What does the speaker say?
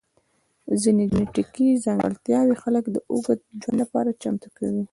ځینې جنیټیکي ځانګړتیاوې خلک د اوږد ژوند لپاره چمتو کوي.